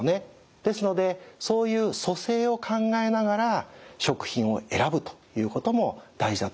ですのでそういう組成を考えながら食品を選ぶということも大事だと思います。